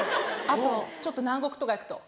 あとちょっと南国とか行くと。